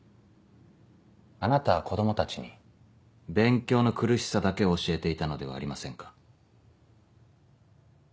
あなたは子供たちに勉強の苦しさだけを教えていたのではありませんか？